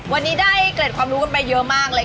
วันนี้ได้เกร็ดความรู้กันไปเยอะมากเลยค่ะ